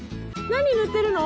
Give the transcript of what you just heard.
何塗ってるの？